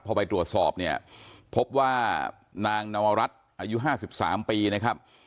พอไปตรวจสอบเนี่ยพบว่านางนวรัตน์อายุห้าสิบสามปีนะครับ